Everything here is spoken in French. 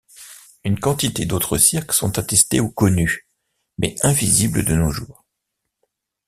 Une quantité d'autres cirques sont attestés ou connus, mais invisibles de nos jours.